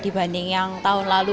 dibanding yang tahun lalu